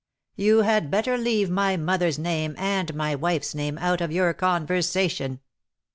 " You had better leave my mother's name and ray wife's name out of your conversation.